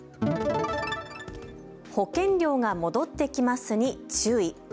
保険料が戻ってきますに注意。